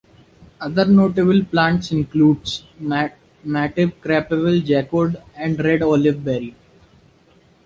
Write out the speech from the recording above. Other notable plants include mative crabapple, jackwood and red olive berry.